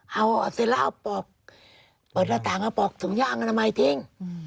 เปิดระต่างเอาปอกถุงย่างกันใหม่ทิ้ง